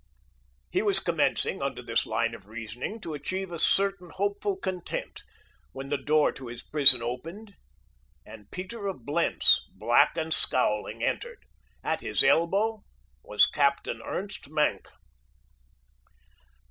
He was commencing, under this line of reasoning, to achieve a certain hopeful content when the door to his prison opened and Peter of Blentz, black and scowling, entered. At his elbow was Captain Ernst Maenck.